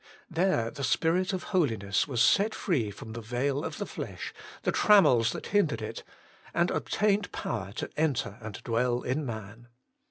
There the Spirit of Holiness was set free from the veil of the flesh, the trammels that hindered it, and obtained power to enter and dwell in man.